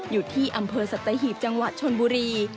อยู่ที่อำเภอสัตหีบจังหวัดชนบุรี